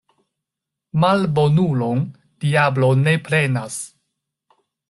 Malbonulon diablo ne prenas.